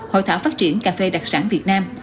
hội thảo phát triển cà phê đặc sản việt nam